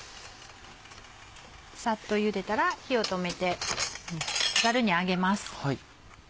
さっと茹でたら火を止めてザルに上げます。